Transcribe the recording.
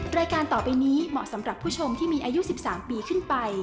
รายการต่อไปนี้เหมาะสำหรับผู้ชมที่มีอายุ๑๓ปีขึ้นไป